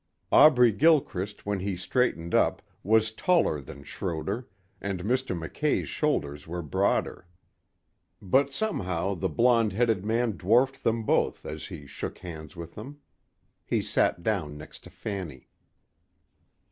Aubrey Gilchrist when he straightened up was taller than Schroder and Mr. Mackay's shoulders were broader. But somehow the blond headed man dwarfed them both as he shook hands with them. He sat down next to Fanny.